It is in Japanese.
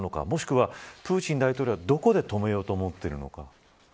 もしくはプーチン大統領はどこで止めようと思っているのか。